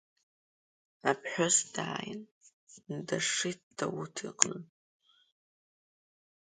Аԥҳәыс дааин, дашшит Дауҭ иҟны.